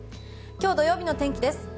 今日土曜日の天気です。